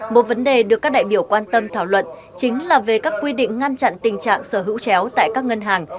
một vấn đề được các đại biểu quan tâm thảo luận chính là về các quy định ngăn chặn tình trạng sở hữu chéo tại các ngân hàng